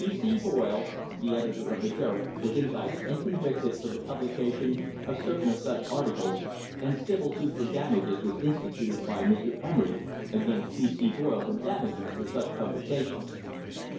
P. C. Boyle, the editor of the Derrick, was indicted and convicted for the publica tion of certain of such articles, and civil suit for damages was instituted by Mr. Emery against P. C. Boyle for damages for such publications.